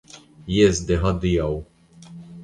Jes, de hodiaŭ.